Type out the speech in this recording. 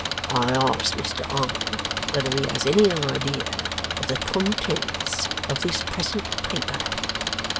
I ask Mr Harmon whether he has any idea of the contents of this present paper?